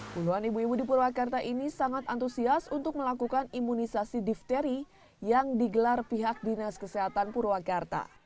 puluhan ibu ibu di purwakarta ini sangat antusias untuk melakukan imunisasi difteri yang digelar pihak dinas kesehatan purwakarta